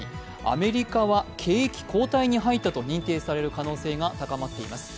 アメリカは景気後退に入ったと認定される可能性が高まっています。